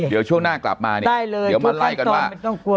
เดี๋ยวช่วงหน้ากลับมาได้เลยเดี๋ยวมันไล่กันมาไม่ต้องกลัว